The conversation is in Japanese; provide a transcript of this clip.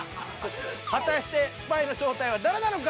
果たしてスパイの正体は誰なのか？